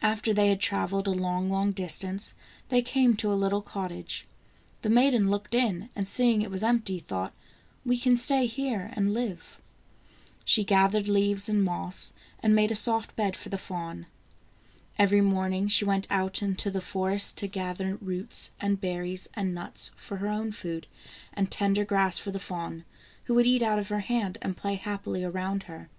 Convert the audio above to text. After they had traveled a long, long distance, they came to a little cottage. The maiden looked in, and seeing it was empty, thought: "We can stay here and live." She gathered leaves and moss and made a soft bed for the fawn. Every morning she went out into the forest to gather 200 THE ENCHANTED FA WN THE ENCHANTED FA UN roots and berries and nuts for her own food, and tender grass for the fawn, who would eat out of her hand and play happily around her.